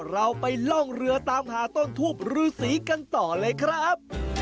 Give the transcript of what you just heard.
เราไปล่องเรือตามหาต้นทูบรูสีกันต่อเลยครับ